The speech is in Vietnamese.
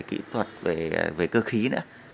kỹ thuật về cơ khí nữa